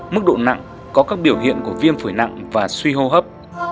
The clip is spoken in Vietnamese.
mức độ nặng có các biểu hiện của viêm phổi nặng và suy hô hấp